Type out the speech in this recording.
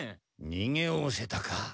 にげおおせたか？